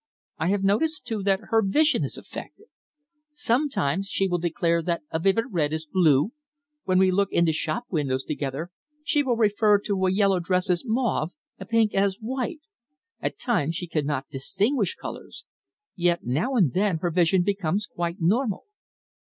I have noticed, too, that her vision is affected. Sometimes she will declare that a vivid red is blue. When we look into shop windows together she will refer to a yellow dress as mauve, a pink as white. At times she cannot distinguish colours. Yet now and then her vision becomes quite normal."